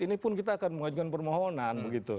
ini pun kita akan mengajukan permohonan